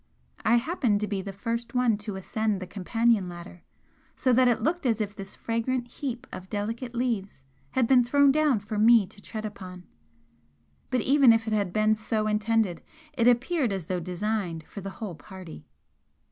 I happened to be the first one to ascend the companion ladder, so that it looked as if this fragrant heap of delicate leaves had been thrown down for me to tread upon, but even if it had been so intended it appeared as though designed for the whole party.